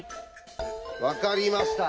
分かりました！